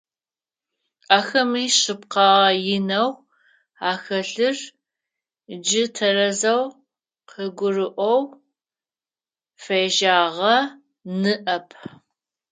Ахэми шъыпкъэгъэ инэу ахэлъыр джы тэрэзэу къыгурыӀоу фежьагъэ ныӀэп.